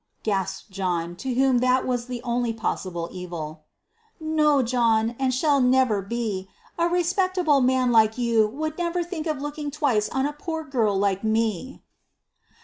gasped John, to whom that was the only possible evil. "No, John, and never shall be: a respectable man like you would never think of looking twice at a poor girl like me!"